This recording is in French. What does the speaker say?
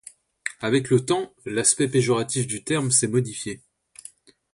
Avec le temps, l'aspect péjoratif du terme s'est modifié.